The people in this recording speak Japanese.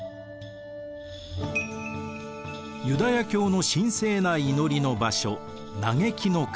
ユダヤ教の神聖な祈りの場所嘆きの壁。